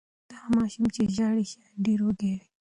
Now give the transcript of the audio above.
دا ماشوم چې ژاړي شاید ډېر وږی وي.